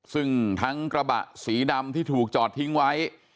ซึ่งทั้งกระบะสีดำที่ถูกจอดทิ้งไว้